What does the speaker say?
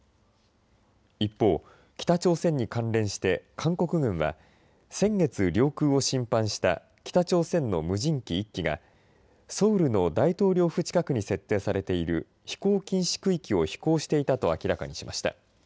一方、北朝鮮に関連して韓国軍は先月、領空を侵犯した北朝鮮の無人機１機がソウルの大統領府近くに設定されている飛行禁止区域を飛行していたと明らかにしました。